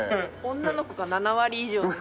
女の子が７割以上です